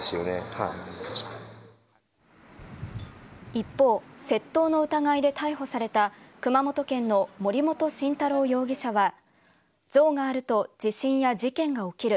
一方、窃盗の疑いで逮捕された熊本県の森本晋太郎容疑者は像があると地震や事件が起きる。